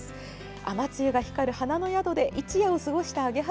雨露が光る花の宿で一夜を過ごしたアゲハ